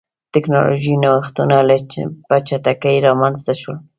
ټکنالوژیکي نوښتونه په چټکۍ رامنځته شول.